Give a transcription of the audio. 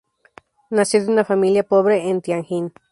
Nació de una familia pobre en Tianjin.